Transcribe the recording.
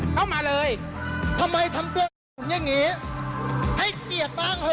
เข้ามาเลย